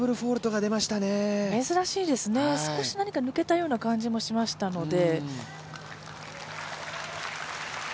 めずらしいですね少し抜けたような感じもしましたので。